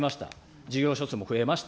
事業所数も増えました。